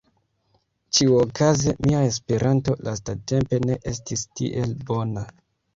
Ĉiuokaze mia Esperanto lastatempe ne estis tiel bona